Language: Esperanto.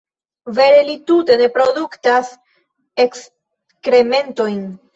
Vere, li tute ne produktas ekskrementojn.